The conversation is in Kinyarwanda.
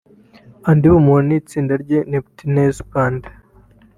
Andy Bumuntu n’itsinda rya Neptunez Band